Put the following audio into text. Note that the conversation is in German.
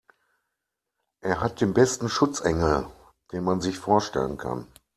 Er hat den besten Schutzengel, den man sich vorstellen kann.